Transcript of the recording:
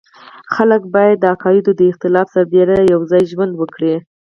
خلک باید د عقایدو د اختلاف سربېره یو ځای ژوند وکړي.